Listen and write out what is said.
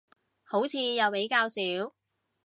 好似又比較少